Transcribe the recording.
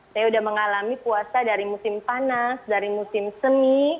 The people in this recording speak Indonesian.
saya sudah mengalami puasa dari musim panas dari musim semi